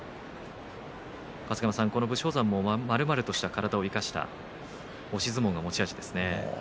春日山さん、武将山もまるまるとした体を生かした押し相撲が持ち味ですよね。